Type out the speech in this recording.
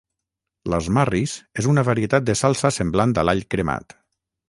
L'asmarris és una varietat de salsa semblant a l'all cremat